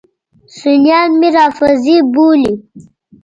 سنیان مې رافضي بولي.